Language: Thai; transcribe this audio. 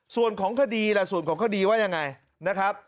ส่วนของคดีล่ะส่วนของคดีว่ายังไงนะครับ